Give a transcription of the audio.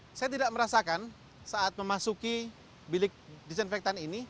saya tidak merasakan saat memasuki bilik disinfektan ini